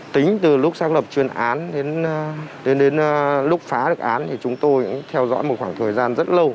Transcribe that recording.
tính từ lúc xác lập chuyên án đến lúc phá được án thì chúng tôi theo dõi một khoảng thời gian rất lâu